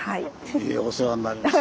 お世話になりました。